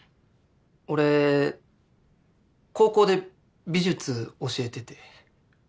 俺高校で美術教えてて。